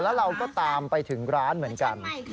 แล้วเราก็ตามไปถึงร้านเหมือนกัน